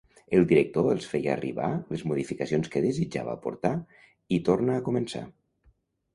El director els feia arribar les modificacions que desitjava aportar, i torna a començar.